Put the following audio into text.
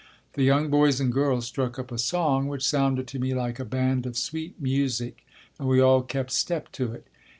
The young boys and girls struck up a song which sounded to me like a band of sweet music and we all kept step to it.